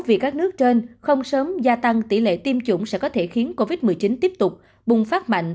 vì các nước trên không sớm gia tăng tỷ lệ tiêm chủng sẽ có thể khiến covid một mươi chín tiếp tục bùng phát mạnh